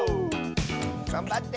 がんばって！